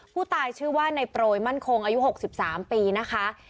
ผู้ตายชื่อว่าในโปรยมั่นคงอายุ๖๓ปีนะคะ